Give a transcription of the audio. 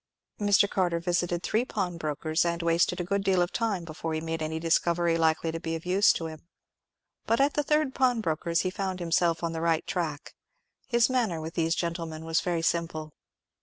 Mr. Carter visited three pawnbrokers, and wasted a good deal of time before he made any discovery likely to be of use to him; but at the third pawnbroker's he found himself on the right track. His manner with these gentlemen was very simple.